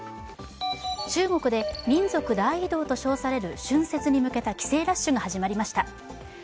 中国で民族大移動と称される春節に向けた帰省ラッシュが始まりました。